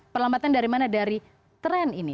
perlambatan dari mana dari tren ini